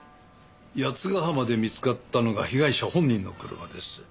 八ヶ浜で見つかったのが被害者本人の車です。